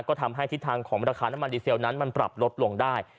ก็ทำให้ทิศทางของราคาน้ำมันดีเซลนั้นมันปรับลดลงได้